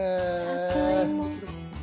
里芋。